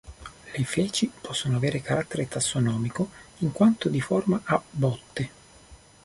Le feci possono avere carattere tassonomico in quanto di forma a "botte".